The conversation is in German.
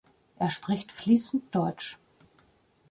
Er spricht fließend Deutsch.